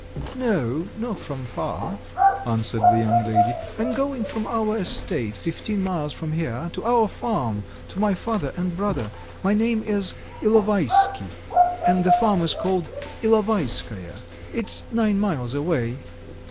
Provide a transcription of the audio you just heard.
"No, not from far," answered the young lady. "I am going from our estate, fifteen miles from here, to our farm, to my father and brother. My name is Ilovaisky, and the farm is called Ilovaiskoe. It's nine miles away.